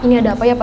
ini ada apa ya pak